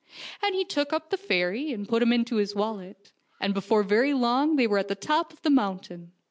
And he took up the fairy and put him into his wallet, and before very long they were on the top of the mountain.